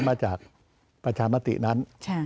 มาจากประชามตินั้น